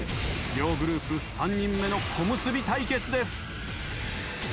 両グループ３人目の小結対決です。